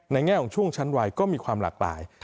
แง่ของช่วงชั้นวัยก็มีความหลากหลาย